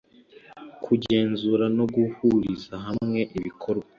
kugenzura no guhuriza hamwe ibikorwa